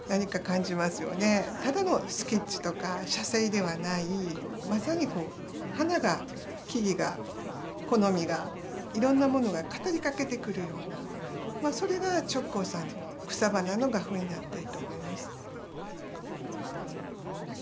ただのスケッチとか写生ではないまさにこう花が木々が木の実がいろんなものが語りかけてくるようなそれが直行さんの草花の画風になっていると思います。